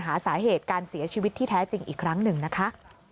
หาสาเหตุการเสียชีวิตที่แท้จริงอีกครั้งหนึ่งนะคะ